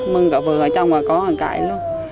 mừng cả vừa ở trong và có hoàn cảnh luôn